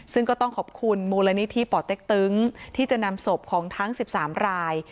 ซึ่งก็ต้องขอบคุณมูลนิธิป่อเต็กตึงที่จะนำศพของทั้ง๑๓ราย